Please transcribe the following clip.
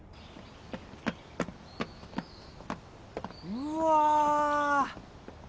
うわ。